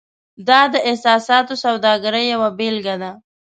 دا د احساساتو سوداګرۍ یوه بیلګه ده.